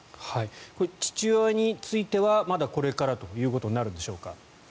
これ、父親についてはまだこれからということになるんでしょうか？